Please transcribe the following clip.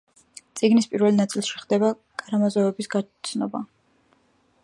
წიგნის პირველ ნაწილში ხდება კარამაზოვების გაცნობა.